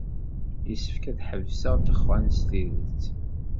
Yessefk ad tḥebseḍ ddexxan s tidet.